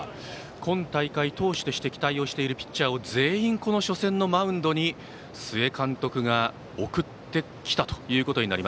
今大会、投手として期待しているピッチャーを全員、初戦のマウンドに須江監督、送ってきました。